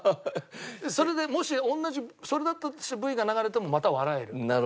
それでもし同じそれだったとしてＶが流れてもまた笑える。